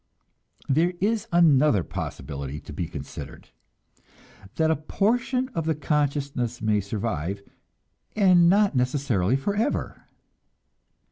There is another possibility to be considered that a portion of the consciousness may survive, and not necessarily forever.